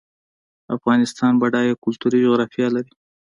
افغانستان بډایه کلتوري جغرافیه لري